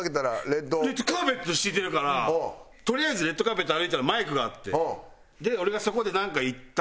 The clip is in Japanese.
レッドカーペット敷いてるからとりあえずレッドカーペット歩いたらマイクがあって俺がそこまでなんか行ったんですけど。